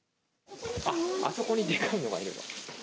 あそこにでかいのがいる。